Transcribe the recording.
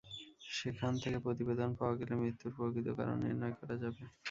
সেখান থেকে প্রতিবেদন পাওয়া গেলে মৃত্যুর প্রকৃত কারণ নির্ণয় করা যাবে।